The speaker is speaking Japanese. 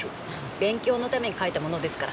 勉強のために描いたものですから。